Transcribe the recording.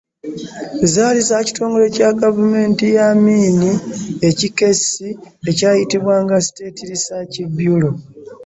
Zaali za kitongole kya Gavumenti ya Amin ekikessi ekyayitibwanga State Research Bureau.